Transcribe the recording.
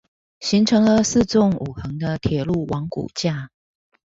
形成了四縱五橫的鐵路網骨架